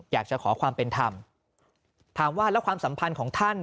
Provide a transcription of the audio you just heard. อยากจะขอความเป็นธรรมถามว่าแล้วความสัมพันธ์ของท่าน